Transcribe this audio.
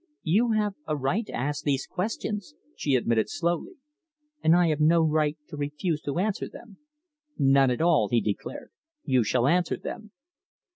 "You have a right to ask these questions," she admitted slowly, "and I have no right to refuse to answer them." "None at all," he declared. "You shall answer them."